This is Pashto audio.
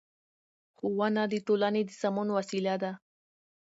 ښوونه د ټولنې د سمون وسیله ده